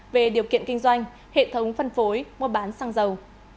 về điều kiện kinh doanh hệ thống phân phối mua bán xăng dầu